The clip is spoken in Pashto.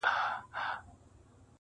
چنار دي ماته پېغور نه راکوي.